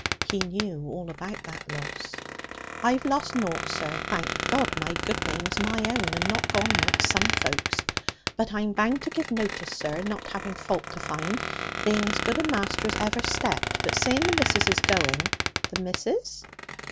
He knew all about that loss. 'I've lost nought, sir; thank God my good name's my own, and not gone like some folk's; but I'm bound to give notice, sir, not having fault to find, being as good a master as ever stepped. But seeing the missus is going ' 'The missus?'